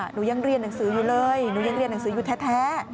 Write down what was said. หนูยังเรียนหนังสืออยู่เลยหนูยังเรียนหนังสืออยู่แท้